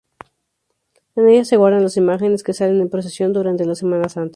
En ella se guardan las imágenes que salen en procesión durante la Semana Santa.